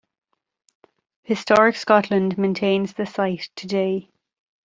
Historic Scotland maintains the site today.